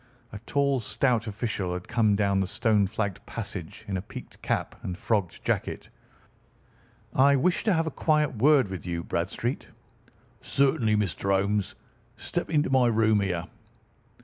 A tall, stout official had come down the stone flagged passage, in a peaked cap and frogged jacket. "I wish to have a quiet word with you, Bradstreet." "Certainly, Mr. Holmes. Step into my room here."